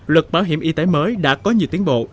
luật bảo hiểm y tế mới đã có nhiều tiến bộ